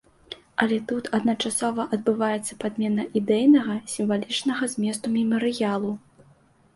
Але тут адначасова адбываецца падмена ідэйнага, сімвалічнага зместу мемарыялу.